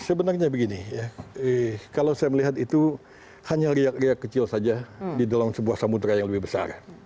sebenarnya begini ya kalau saya melihat itu hanya riak riak kecil saja di dalam sebuah samudera yang lebih besar